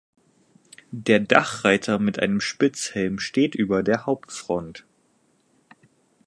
Der Dachreiter mit einem Spitzhelm steht über der Hauptfront.